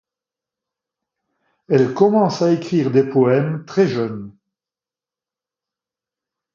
Elle commence à écrire des poèmes très jeune.